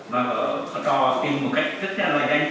và trò tìm một cách rất nhanh và nhanh